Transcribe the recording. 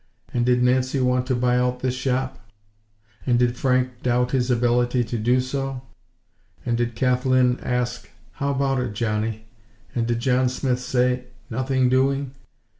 And did Nancy want to buy out this shop? And did Frank doubt his ability to do so? And did Kathlyn ask: "How about it, Johnny?" and did John Smith say: "Nothing doing"?